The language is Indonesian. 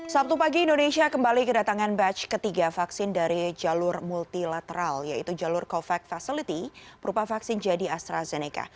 sabtu pagi indonesia kembali kedatangan batch ketiga vaksin dari jalur multilateral yaitu jalur covax facility berupa vaksin jadi astrazeneca